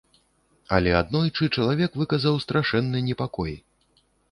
Але аднойчы чалавек выказаў страшэнны непакой.